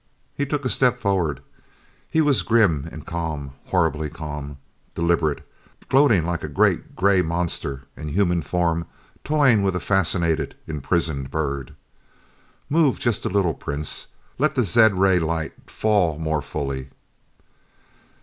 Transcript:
He took a step forward. He was grim and calm. Horribly calm. Deliberate. Gloating like a great gray monster in human form toying with a fascinated, imprisoned bird. "Move just a little, Prince. Let the zed ray light fall more fully."